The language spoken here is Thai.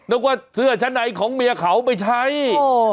นึกว่าเสื้อชั้นในของเมียเขาไปใช้